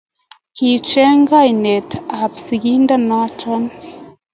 Kicheng kainetab sigindonoto